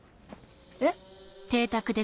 えっ？